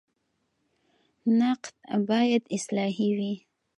نقد باید اصلاحي وي